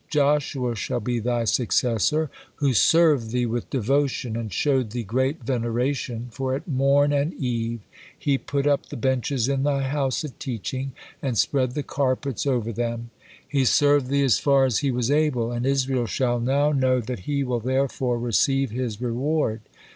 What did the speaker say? Joshua shall be thy successor, who served thee with devotion and showed thee great veneration, for at morn and eve he put up the benches in thy house of teaching and spread the carpets over them; he served thee as far as he was able, and Israel shall now know that he will therefore receive his reward.